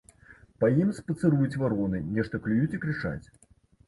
Па ім спацыруюць вароны, нешта клююць і крычаць.